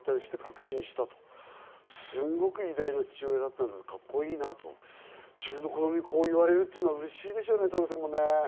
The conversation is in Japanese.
すんごく偉大な父親だったんだ、カッコいいなと自分の子供にこう言われるのは、うれしいでしょうね、徹さんも。